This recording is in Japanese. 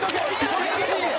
それきついで！